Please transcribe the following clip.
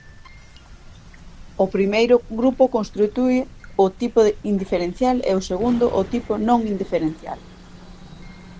O primeiro grupo constitúe o tipo inferencial e o segundo o tipo non-inferencial.